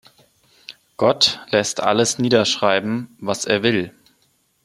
Gott lässt alles niederschreiben, was er will.